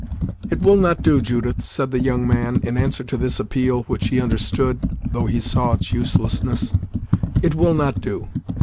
"It will not do, Judith," said the young man, in answer to this appeal, which he understood, though he saw its uselessness; "it will not do.